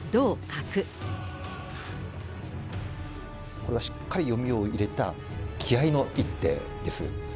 これはしっかり読みを入れた、気合いの一手です。